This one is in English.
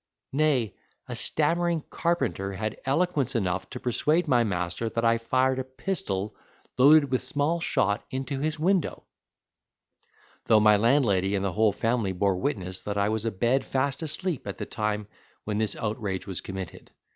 Nay, a stammering carpenter had eloquence enough to persuade my master that I fired a pistol loaded with small shot into his window; though my landlady and the whole family bore witness that I was abed fast asleep at the time when this outrage was committed.